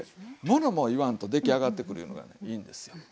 ものも言わんとできあがってくるいうのがいいんですよ。